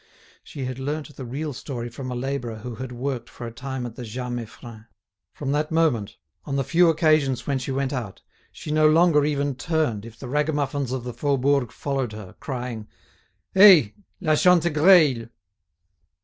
She had learnt the real story from a labourer who had worked for a time at the Jas Meiffren. From that moment, on the few occasions when she went out, she no longer even turned if the ragamuffins of the Faubourg followed her, crying: "Hey! La Chantegreil!"